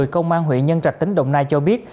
công an huyện nhân trạch tỉnh đồng nai cho biết